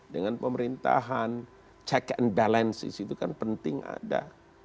dengan pemerintahan check and balances itu kan penting ada